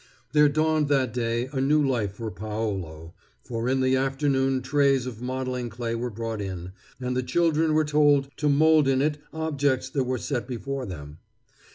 There dawned that day a new life for Paolo, for in the afternoon trays of modeling clay were brought in, and the children were told to mold in it objects that were set before them.